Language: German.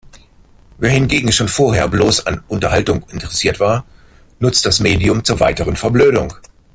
Wer hingegen schon vorher bloß an Unterhaltung interessiert war, nutzt das Medium zur weiteren Verblödung.